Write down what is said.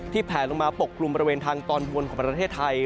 แผลลงมาปกกลุ่มบริเวณทางตอนบนของประเทศไทย